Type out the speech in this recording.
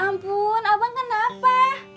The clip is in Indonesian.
ya ampun abang kenapa